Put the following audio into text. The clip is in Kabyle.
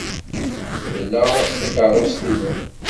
Dleɣ takeṛṛust-inu.